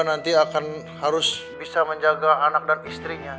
nanti akan harus bisa menjaga anak dan istrinya